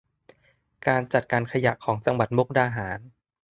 การจัดการขยะของจังหวัดมุกดาหาร